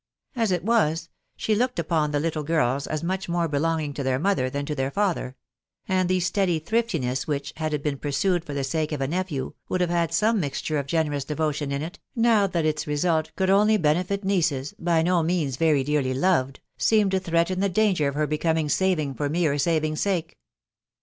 As it was, she looked upon the little girls as much more belonging to their mother than to their father; and the steady thriftiness, which, had it been pursued for the sake of a nephew, would have had some mixture of generous devotion in it, now that its result could only benefit nieces, by no means very dearly loved, seemed to threaten the danger of her becoming saving for mere saving's sake.